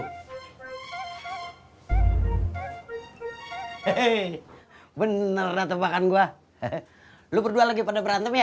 hei beneran tembakan gua lu berdua lagi pada berantem ya